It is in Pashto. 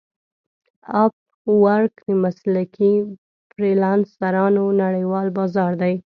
افورک د مسلکي فریلانسرانو نړیوال بازار دی.